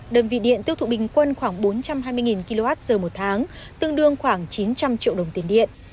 đơn vị điện tiêu thụ bình quân khoảng bốn trăm hai mươi kwh một tháng tương đương khoảng chín trăm linh triệu đồng tiền điện